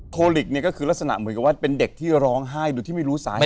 โคลิกเนี่ยก็คือลักษณะเหมือนกับว่าเป็นเด็กที่ร้องไห้โดยที่ไม่รู้สาเหตุ